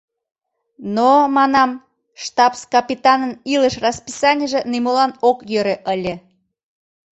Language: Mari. Но, манам, штабс-капитанын илыш расписанийже нимолан ок йӧрӧ ыле.